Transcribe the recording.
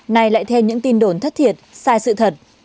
này lại theo những tin đồn thất thiệt sai sự thật